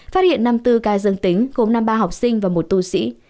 phát hiện năm mươi bốn ca dương tính gồm năm mươi ba học sinh và một tù sĩ